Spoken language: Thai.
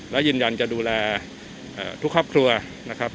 และยืนยันจะดูแลทุกครอบครัวนะครับ